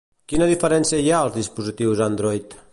Quina diferència hi ha als dispositius Android?